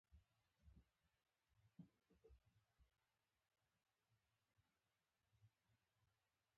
په کاناډا کې دویم ځوان لومړی وزیر دی.